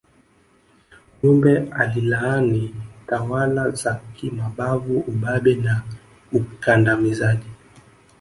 Jumbe alilaani tawala za kimabavu ubabe na ukandamizaji